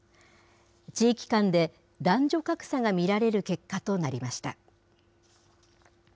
地域間で男女格差が見られる結果となりました。